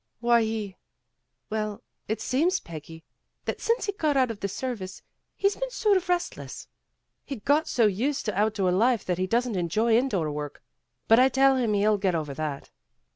135 , he well, it seems, Peggy, that since he got out of the service he's been sort of rest less. He got so used to outdoor life that he doesn't enjoy indoor work. But I tell him he'll get over that."